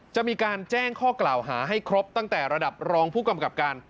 จะมีการแจ้งข้อกล่าวหาให้ครบตั้งแต่ระดับรองผู้กำกับการ